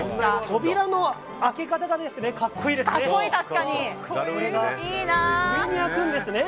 扉の開け方が格好いいですね。